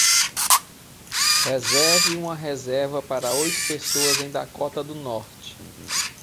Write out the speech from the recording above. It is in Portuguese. Reserve uma reserva para oito pessoas em Dakota do Norte